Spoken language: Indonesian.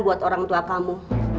buat orang tua kamu